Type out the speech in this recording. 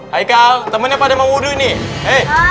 heikal temennya pada mau wudhu nih